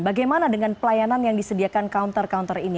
bagaimana dengan pelayanan yang disediakan counter counter ini